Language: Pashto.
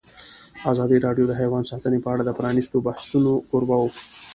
ازادي راډیو د حیوان ساتنه په اړه د پرانیستو بحثونو کوربه وه.